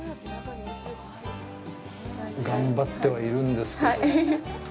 頑張ってはいるんですけど。